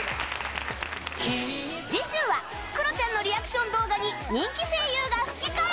次週はクロちゃんのリアクション動画に人気声優が吹き替え！